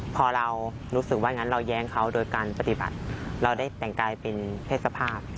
พอเราน่าจะแย้งเขาโดยการปฏิบัติเราได้แต่งกายเป็นเพศภาพ